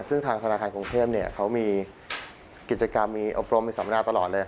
ซึ่งทางธนาคารกรุงเทพเขามีกิจกรรมมีอบรมมีสัมมนาตลอดเลย